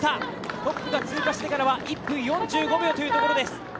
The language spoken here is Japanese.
トップが通過してからは１分４５秒というところです。